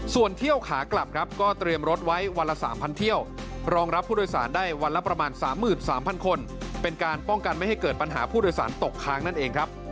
ส่วนเที่ยวขากลับครับก็เตรียมรถไว้วันละ๓๐๐เที่ยวรองรับผู้โดยสารได้วันละประมาณ๓๓๐๐คนเป็นการป้องกันไม่ให้เกิดปัญหาผู้โดยสารตกค้างนั่นเองครับ